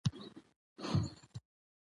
زه د زده کړي په برخه کښي جدي یم.